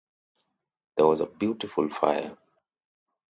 There was a beautiful fire.